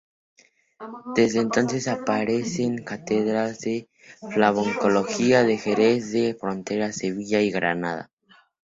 Desde entonces aparecen cátedras de Flamencología en Jerez de la Frontera, Sevilla y Granada.